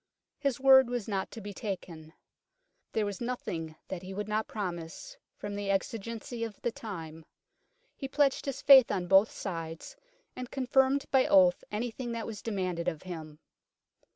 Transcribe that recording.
His word was not to be taken. " There was nothing that he would not promise from the exigency of the time. He pledged his faith on both sides, and confirmed by oath anything that was demanded of him."